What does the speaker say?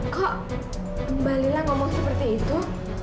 kok mbak lila ngomong seperti itu